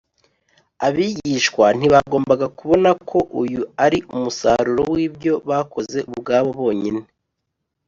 . Abigishwa ntibagombaga kubona ko uyu ari umusaruro w’ibyo bakoze ubwabo bonyine